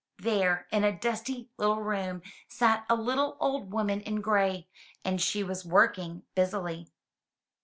There in a dusty little room, sat a little old woman in gray, and she was working busily.